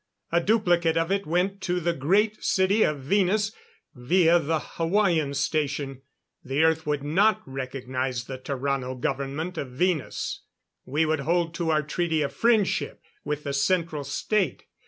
A duplicate of it went to the Great City of Venus via the Hawaiian Station. The Earth would not recognize the Tarrano government of Venus. We would hold to our treaty of friendship with the Central State.